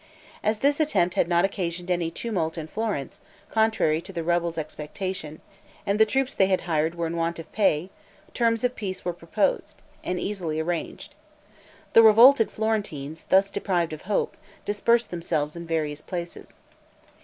As this attempt had not occasioned any tumult in Florence, contrary to the rebels' expectation, and the troops they had hired were in want of pay, terms of peace were proposed, and easily arranged. The revolted Florentines, thus deprived of hope, dispersed themselves in various places.